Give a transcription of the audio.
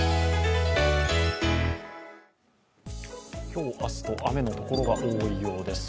今日、明日と雨の所が多いようです。